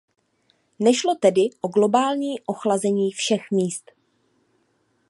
Nešlo tedy o globální ochlazení všech míst.